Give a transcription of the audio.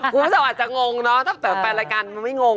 คุณผู้ชมอาจจะงงเนอะตั้งแต่ไปรายการมันไม่งง